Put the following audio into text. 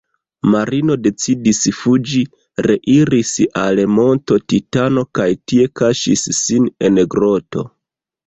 Marino decidis fuĝi, reiris al Monto Titano kaj tie kaŝis sin en groto.